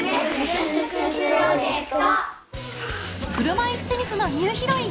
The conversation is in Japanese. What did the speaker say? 車いすテニスのニューヒロイン。